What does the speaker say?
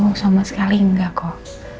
oh sama sekali enggak kok